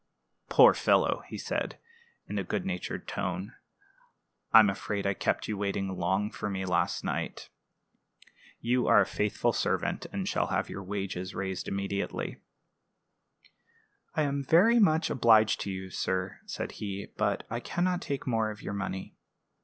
"Poor fellow!" he said, in a good natured tone, "I'm afraid I kept you waiting long for me last night. You are a faithful servant, and shall have your wages raised immediately." "I am very much obliged to you, sir," said he; "but I can not take more of your money.